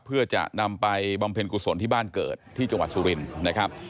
เพื่อจะนำไปบำเพ็ญกุศลที่บ้านเกิดที่จังหวัดสุรินทร์นะครับ